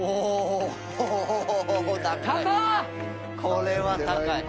これは高い。